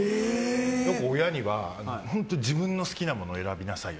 よく親には、本当に自分の好きなものを選びなさいよ